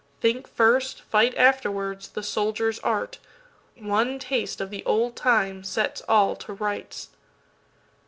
Think first, fight afterwards—the soldier's art:One taste of the old time sets all to rights.